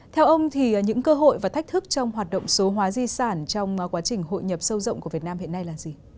theo ông thì những cơ hội và thách thức trong hoạt động số hóa di sản trong quá trình hội nhập sâu rộng của việt nam hiện nay là gì